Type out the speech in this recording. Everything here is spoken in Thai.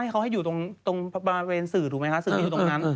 ที่เขาให้อยู่บรรเวณสื่อถูกไหมซึ่งหลุดตรงนั้น